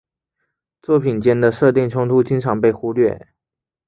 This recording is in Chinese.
作品间的设定冲突经常被忽略。